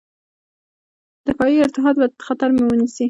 دفاعي اتحاد به خطر مخه ونیسي.